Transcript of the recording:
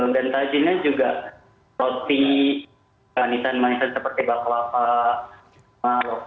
dan tajilnya juga roti manisan manisan seperti baklava malekum manisan manisan khas turki